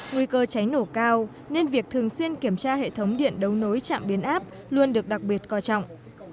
nguy cơ cháy nổ cao nên việc thường xuyên kiểm tra hệ thống điện đấu nối chạm biến áp luôn được đặc biệt coi trọng